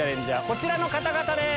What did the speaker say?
こちらの方々です。